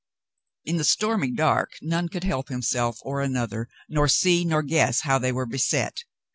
In the stormy dark none could help himself or another, nor see nor guess how they were beset.